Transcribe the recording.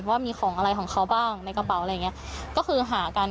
ว่ามีของอะไรของเขาบ้างในกระเป๋าอะไรอย่างเงี้ยก็คือหากัน